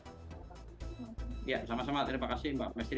ya sama sama terima kasih mbak mestri